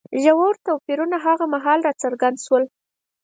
ژور توپیرونه هغه مهال راڅرګند شول